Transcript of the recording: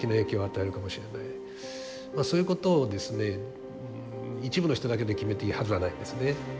そういうことを一部の人だけで決めていいはずはないですね。